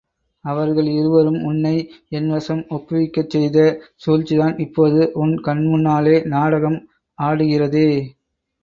அவர்கள் இருவரும் உன்னை என் வசம் ஒப்புவிக்கச் செய்த சூழ்ச்சிதான் இப்போது உன் கண்முன்னாலே நாடகம் ஆடுகிறதே?